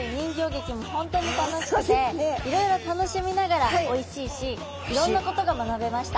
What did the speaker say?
いろいろ楽しみながらおいしいしいろんなことが学べました。